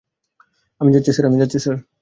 আমি যাচ্ছি, স্যার।